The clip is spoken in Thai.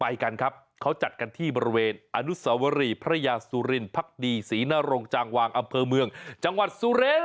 ไปกันครับเขาจัดกันที่บริเวณอนุสวรีพระยาสุรินพักดีศรีนรงจางวางอำเภอเมืองจังหวัดสุริน